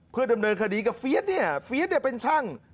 เพื่อดำเนินคดีกับเฟียสเนี่ยเฟียสเนี่ยเป็นช่าง